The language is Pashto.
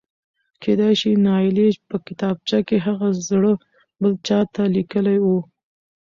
کېدای شي نايلې په کتابچه کې هغه زړه بل چاته لیکلی و.؟؟